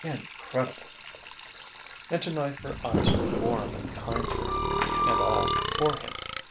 Incredible! And tonight her eyes were warm and kind for him, and all for him.